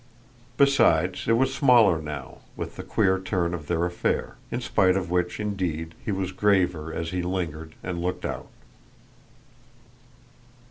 Besides it was smaller now, with the queer turn of their affair; in spite of which indeed he was graver as he lingered and looked out.